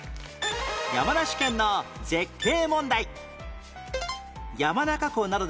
山梨県の絶景問題